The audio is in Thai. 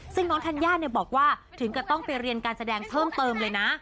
ซึ่งน้องธัญญาบอกว่าถึงกับต้องไปเรียนการแสดงเพิ่มเติมเลยนะ